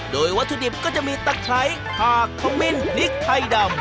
โดยวัตถุดิบก็จะมีตะไคร้ผากขมิ้นพริกไทยดำ